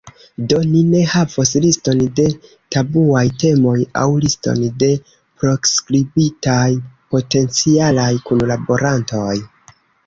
Do, ni ne havos liston de tabuaj temoj aŭ liston de proskribitaj potencialaj kunlaborantoj.